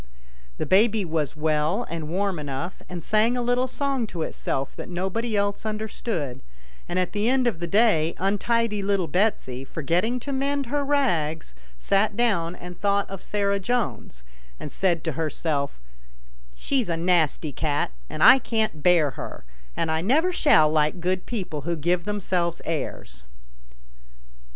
The baby was well and warm enough, and sang a little song to itself that no body else understood, and at the end of the day untidy little Betsy, forgetting to mend her rags, sat down and thought of Sarah Jones, and said to herself, " She's a nasty cat, and I can't bear her, and I never shall like good people who give themselves airs."